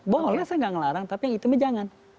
boleh saya nggak ngelarang tapi yang hitamnya jangan